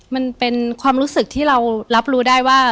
มันเป็นความรู้สึกที่เรารับรู้ได้ว่า